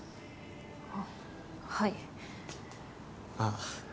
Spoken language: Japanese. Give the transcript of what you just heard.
あっはいああ